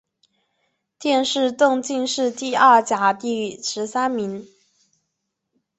殿试登进士第二甲第十三名。